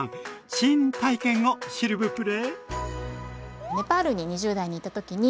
チーン体験をシルブプレ！